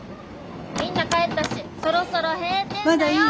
みんな帰ったしそろそろ閉店だよ！